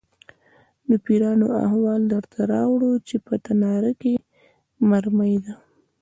_نو پېريانو احوال درته راووړ چې په تناره کې مرمۍ ده؟